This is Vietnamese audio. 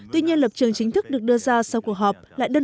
qua lại cửa khẩu